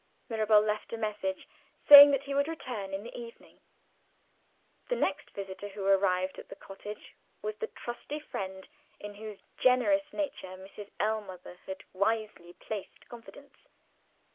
Mirabel left a message, saying that he would return in the evening. The next visitor who arrived at the cottage was the trusty friend, in whose generous nature Mrs. Ellmother had wisely placed confidence.